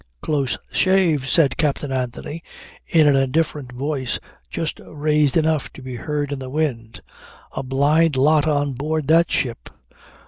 "Close shave," said Captain Anthony in an indifferent voice just raised enough to be heard in the wind. "A blind lot on board that ship.